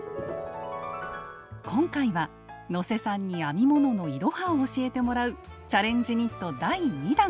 今回は能勢さんに編み物の「いろは」を教えてもらうチャレンジニット第２弾！